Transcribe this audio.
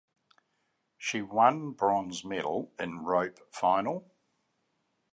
She won bronze medal in Rope final.